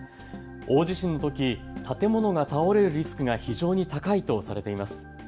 大地震のとき建物が倒れるリスクが非常に高いとされています。